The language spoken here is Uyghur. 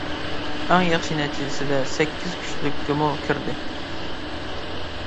ئەڭ ياخشى نەتىجىسىدە سەككىز كۈچلۈككىمۇ كىردى.